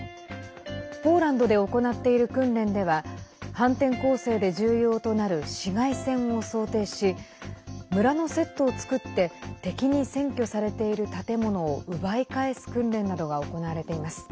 ポーランドで行っている訓練では反転攻勢で重要となる市街戦を想定し村のセットを作って敵に占拠されている建物を奪い返す訓練などが行われています。